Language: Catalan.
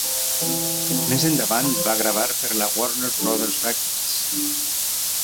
Més endavant va gravar per la Warner Brothers Records.